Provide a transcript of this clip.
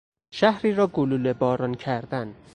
شهری را گلوله باران کردن